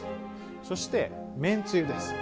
そして、めんつゆです。